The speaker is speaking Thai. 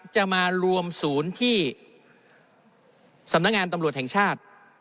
จะมารวมศูนย์ที่สำนักงานตำรวจแห่งชาติ